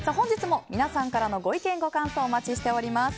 本日も皆さんからのご意見ご感想をお待ちしております。